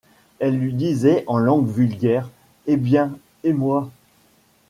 Elle lui disait en langue vulgaire :« Eh bien, et moi ?…